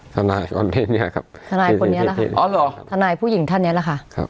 ทนายผู้หญิงท่านเนี้ยแหละค่ะ